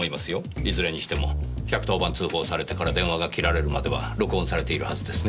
いずれにしても１１０番通報されてから電話が切られるまでは録音されているはずですね。